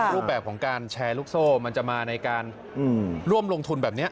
รูปแบบของการแชร์ลูกโซ่มันจะมาในการร่วมลงทุนแบบนี้